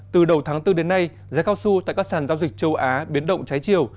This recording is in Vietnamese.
từ đầu tháng bốn đến nay giá cao su tại các sàn giao dịch châu á biến động trái chiều